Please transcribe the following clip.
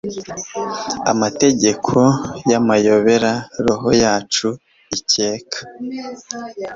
Amategeko y'amayobera roho yacu ikeka